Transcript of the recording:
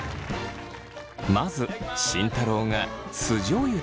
まず慎太郎が酢じょうゆで頂きます。